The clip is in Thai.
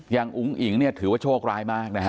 อย่างอุงหญิงเนี่ยถือว่าโชคร้ายมากนะฮะ